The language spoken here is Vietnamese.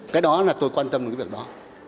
cái đó là tôi quan tâm cái việc đó